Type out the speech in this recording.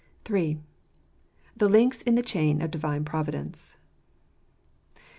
III. The Links in the Chain of Divine Providence.